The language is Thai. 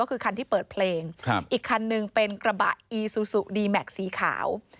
ก็คือคันที่เปิดเพลงครับอีกคันหนึ่งเป็นกระบะอีซูซูดีแม็กซ์สีขาว